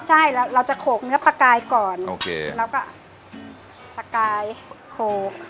ใช่แล้วเราจะโขกเนื้อปลากายก่อนโอเคเราก็ประกายโขก